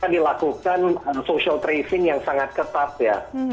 dilakukan social tracing yang sangat ketat ya